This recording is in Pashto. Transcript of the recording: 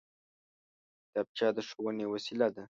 کتابچه د ښوونې وسېله ده